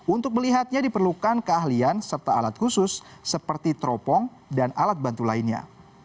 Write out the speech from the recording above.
untuk melihatnya diperlukan keahlian serta alat khusus seperti teropong dan alat bantu lainnya